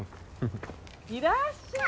いらっしゃい。